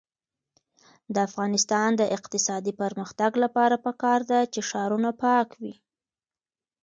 د افغانستان د اقتصادي پرمختګ لپاره پکار ده چې ښارونه پاک وي.